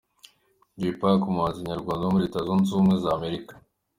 Jay Pac; umuhanzi nyarwanda uba muri Leta Zunze Ubumwe za Amerika.